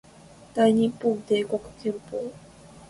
大日本帝国憲法